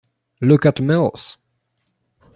Look at Mills!